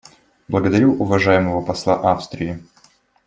Благодарю уважаемого посла Австрии.